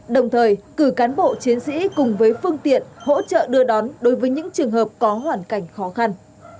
đồng thời cử cán bộ chiến sĩ cùng với phương tiện hỗ trợ đưa đón đối với những trường hợp có hoàn cảnh khó khăn